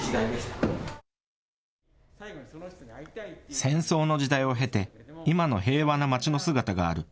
戦争の時代を経て今の平和な町の姿がある。